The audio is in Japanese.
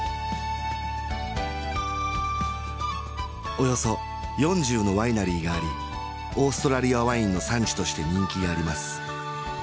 およそ４０のワイナリーがありオーストラリアワインの産地として人気があります